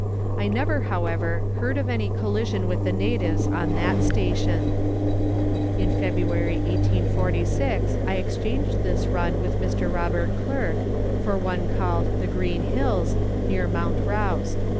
I never, however, heard of any collision with the natives on that station. In February 1846 I exchanged this run with Mr. Robert Clerk, for one called The Green Hills, near Mount Rouse.